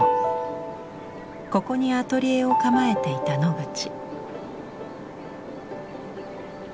ここにアトリエを構えていたノグチ。